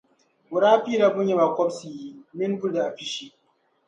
O daa piila bunyama kɔbisiyi mini bulahi pishi.